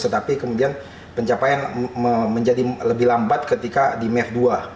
tetapi kemudian pencapaian menjadi lebih lambat ketika di mevh dua